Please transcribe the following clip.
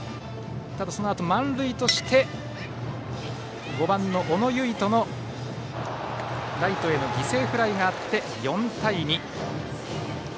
そのあと、満塁として５番の小野唯斗のライトへの犠牲フライがあって４対２。